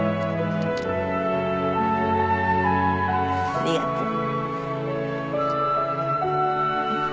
ありがとう。